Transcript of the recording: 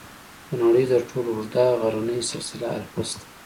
د نړۍ تر ټولو اوږده غرني سلسله الپس ده.